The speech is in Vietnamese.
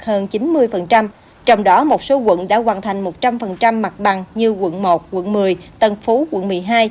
hơn chín mươi trong đó một số quận đã hoàn thành một trăm linh mặt bằng như quận một quận một mươi tân phú quận một mươi hai